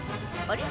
あれ？